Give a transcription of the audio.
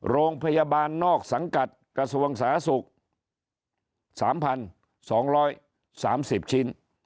โรงพยาบาลนอกสังกัดกระทรวงศาสกษ์๓๒๓๐ชิ้น